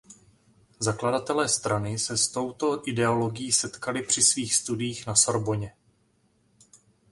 Zakladatelé strany se s touto ideologií setkali při svých studiích na Sorbonně.